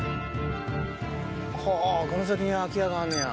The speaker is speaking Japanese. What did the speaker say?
ほうこの先に空き家があんねや。